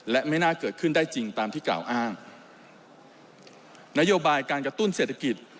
และไม่น่าเกิดขึ้นได้จริงตามที่กล่าวอ้างนโยบายการกระตุ้นเศรษฐกิจ